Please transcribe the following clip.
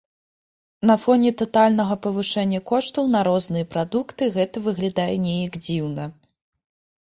На фоне татальнага павышэння коштаў на розныя прадукты гэта выглядае неяк дзіўна.